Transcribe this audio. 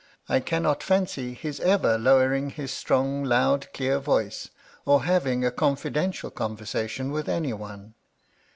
I cannot fiincy his ever lowering his strong loud clear voice, or having a confidential conversation with any one.